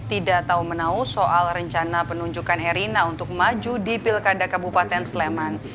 tidak tahu menau soal rencana penunjukan herina untuk maju di pilkada kabupaten sleman